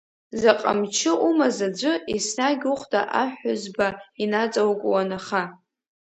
Заҟа мчы умаз аӡәы, еснагь ухәда аҳәызба инаҵаукуан аха?